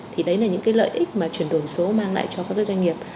thì đấy là những cái lợi ích mà chuyển đổi số mang lại cho các doanh nghiệp